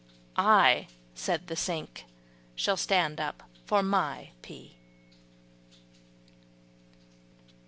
"I," said the sink, "shall stand up for my pea."